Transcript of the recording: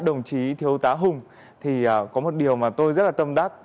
đồng chí thiếu tá hùng thì có một điều mà tôi rất là tâm đắc